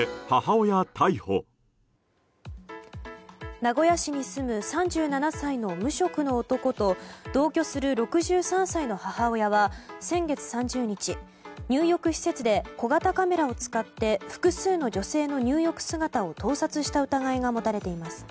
名古屋市に住む３７歳の無職の男と同居する６３歳の母親は先月３０日入浴施設で小型カメラを使って複数の女性の入浴姿を盗撮した疑いが持たれています。